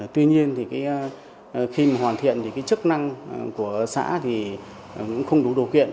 tuy nhiên thì khi mà hoàn thiện thì cái chức năng của xã thì cũng không đủ điều kiện